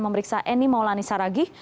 memeriksa eni maulani saragih